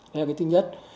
đó là cái thứ nhất